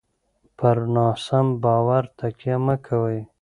پر ناسم باور تکیه مه کوئ.